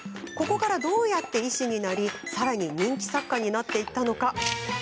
ここからどうやって医師になりさらに人気作家になっていったのか。